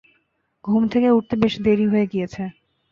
ঘুম থেকে উঠতে বেশ দেরী হয়ে গিয়েছে।